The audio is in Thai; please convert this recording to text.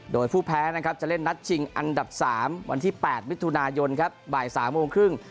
โดยผู้แพ้นะครับจะเล่นนัดชิงอันดับ๓วันที่๘มิถุนายนครับบ่าย๓โมงครึ่ง